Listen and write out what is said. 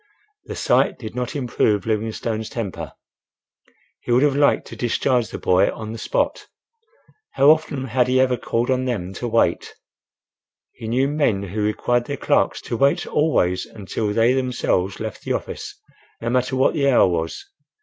The sight did not improve Livingstone's temper. He would have liked to discharge the boy on the spot. How often had he ever called on them to wait? He knew men who required their clerks to wait always until they themselves left the office, no matter what the hour was.